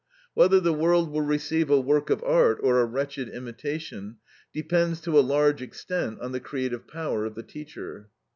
Whether the world will receive a work of art or a wretched imitation, depends to a large extent on the creative power of the teacher.